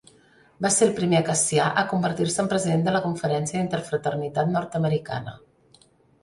Va ser el primer acacià a convertir-se en president de la Conferència d'Interfraternitat Nord-americana.